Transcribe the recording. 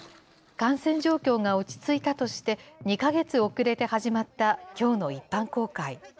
感染状況が落ち着いたとして、２か月遅れて始まったきょうの一般公開。